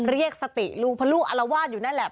เรียกสติลูกเพราะลูกอารวาสอยู่นั่นแหละ